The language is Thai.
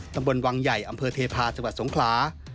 ตำบลวังใหญ่อำเภอเทพาะจังหวัดสงขลา